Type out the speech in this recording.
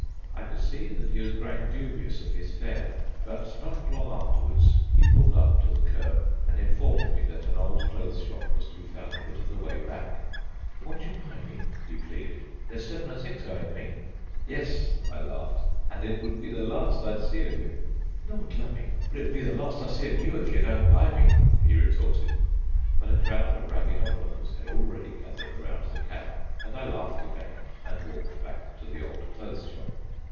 I could see that he was growing dubious of his fare, but not long afterwards he pulled up to the curb and informed me that an old clothes shop was to be found a bit of the way back. "Won'tcher py me?" he pleaded. "There's seven an' six owin' me." "Yes," I laughed, "and it would be the last I'd see of you." "Lord lumme, but it'll be the last I see of you if yer don't py me," he retorted. But a crowd of ragged onlookers had already gathered around the cab, and I laughed again and walked back to the old clothes shop.